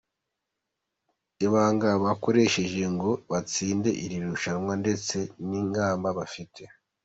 com ibanga bakoresheje ngo batsinde iri rushanwa ndetse n’ingamba bafite.